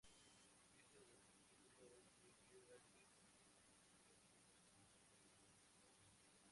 El piso del vestíbulo es de piedra gris andina, conocida como andesita.